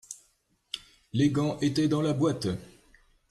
les gants étaient dans la boîte.